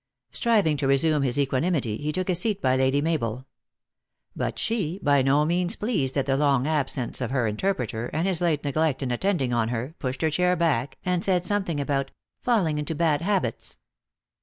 Striving to resume his equanimity, he took a seat by Lady Mabel. But she, by no means pleased at the long absence of her interpreter, and his late neglect in attending on her, pushed her chair back, and said something about " falling into bad habits."